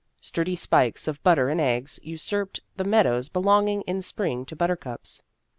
Sturdy spikes of butter and eggs usurped the meadows belonging in spring to buttercups.